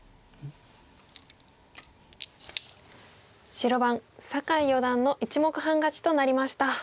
白番酒井四段の１目半勝ちとなりました。